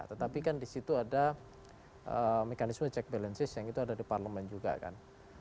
tetapi kan di situ ada mekanisme check balances yang itu ada di parlemen juga kan